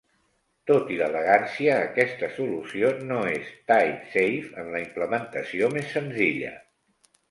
Tot i l'elegància, aquesta solució no és type-safe en la implementació més senzilla.